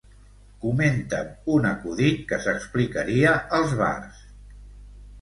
Comenta'm un acudit que s'explicaria als bars.